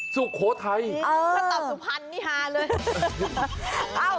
สุโขทัยคุณตอบสุพรรณนี่ฮะเลยอ้าว